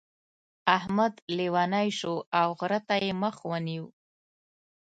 احمد لېونی شو او غره ته يې مخ ونيو.